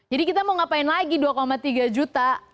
jadi kita mau ngapain lagi dua tiga juta